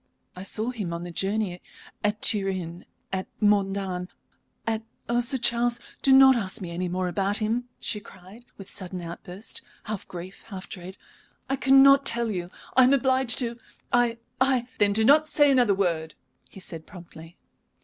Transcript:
"I saw him on the journey, at Turin, at Modane, at Oh, Sir Charles, do not ask me any more about him!" she cried, with a sudden outburst, half grief, half dread. "I cannot tell you I am obliged to I I " "Then do not say another word," he said, promptly.